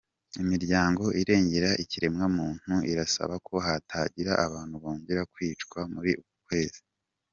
Imiryango irengera ikiremwa muntu irasaba ko hatagira abantu bongera kwicwa muri uku kwezi.